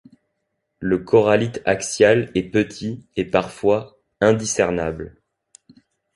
Le corallite axial est petit et parfois indiscernable.